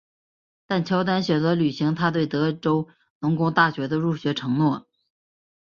但乔丹选择履行他对德州农工大学的入学承诺。